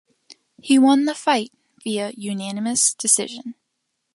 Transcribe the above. He won the fight via unanimous decision.